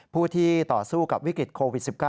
ผู้ที่ต่อสู้กับวิกฤตโควิด๑๙